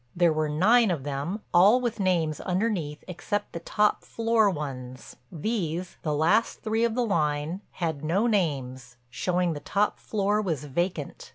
There were nine of them, all with names underneath except the top floor ones. These, the last three of the line, had no names, showing the top floor was vacant.